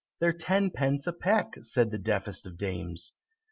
("They're tenpence a peck!" said the deafest of Dames.)